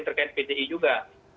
terkait pdi juga